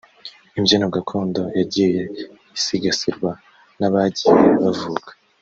Imbyino gakondo yagiye isigasirwa n’abagiye bavuka